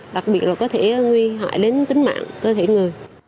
đặc biệt là có thể nguy hại đến tính mạng cơ thể người